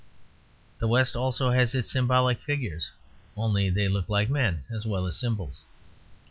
The West also has its symbolic figures, only they look like men as well as symbols.